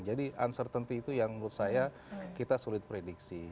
jadi uncertainty itu yang menurut saya kita sulit prediksi